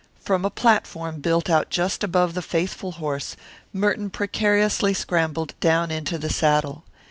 From a platform built out just above the faithful horse Merton precariously scrambled down into the saddle.